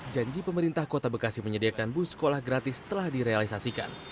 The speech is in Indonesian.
janji pemerintah kota bekasi menyediakan bus sekolah gratis telah direalisasikan